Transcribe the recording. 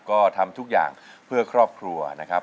ก็ทำทุกอย่างเพื่อครอบครัวนะครับ